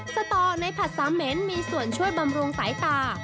สตอในผัดสามเหม็นมีส่วนช่วยบำรุงสายตา